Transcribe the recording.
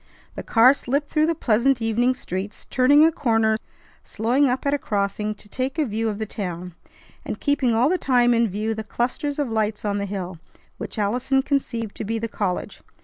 The car slipped through the pleasant evening streets, turning a corner, slowing up at a crossing to take a view of the town, and keeping all the time in view the clusters of lights on the hill, which Allison conceived to be the college.